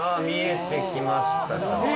見えて来ました。